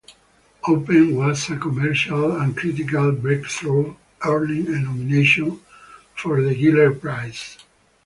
"Open" was a commercial and critical breakthrough, earning a nomination for the Giller Prize.